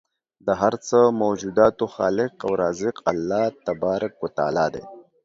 د هر څه موجوداتو خالق او رازق الله تبارک و تعالی دی